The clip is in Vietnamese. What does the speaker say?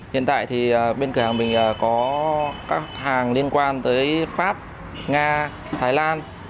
hiện tại thì bên cửa hàng mình có các hàng liên quan tới pháp nga thái lan